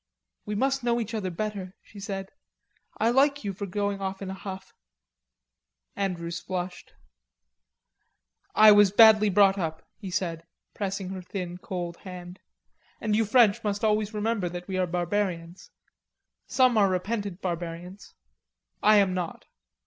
"We must know each other better," she said. "I like you for going off in a huff." Andrews flushed. "I was badly brought up," he said, pressing her thin cold hand. "And you French must always remember that we are barbarians.... Some are repentant barbarians.... I am not."